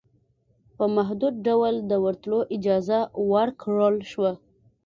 په محدود ډول دورتلو اجازه ورکړل شوه